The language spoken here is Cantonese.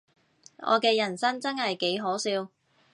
我嘅人生真係幾可笑